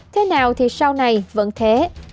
thế nào thì sau này vẫn thế